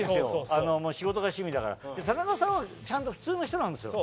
あのもう仕事が趣味だからで田中さんはちゃんと普通の人なんですよ